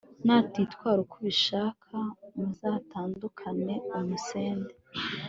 natitwara uko ubishaka muzatandukane, umusende